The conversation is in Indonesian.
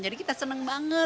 jadi kita senang banget